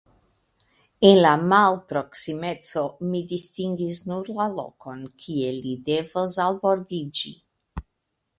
En la malproksimeco mi distingis nur la lokon, kie li devos albordiĝi.